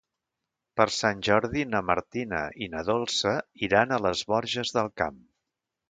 Per Sant Jordi na Martina i na Dolça iran a les Borges del Camp.